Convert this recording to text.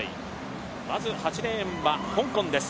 まず８レーンは香港です。